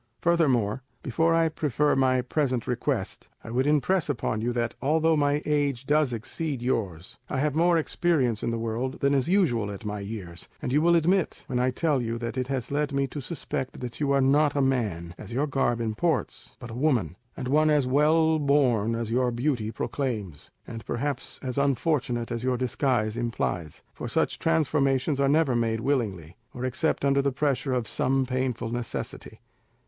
Furthermore, before I prefer my present request, I would impress upon you that although my age does exceed yours, I have more experience of the world than is usual at my years, as you will admit when I tell you that it has led me to suspect that you are not a man, as your garb imports, but a woman, and one as well born as your beauty proclaims, and perhaps as unfortunate as your disguise implies, for such transformations are never made willingly, or except under the pressure of some painful necessity.